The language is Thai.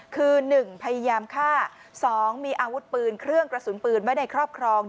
คือ๑พยายามฆ่า๒มีอาวุธปืนเครื่องกระสุนปืนไว้ในครอบครอง